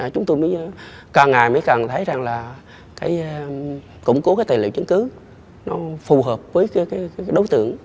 chúng tôi càng ngày mới càng thấy rằng là củng cố tài liệu chứng cứ phù hợp với đối tượng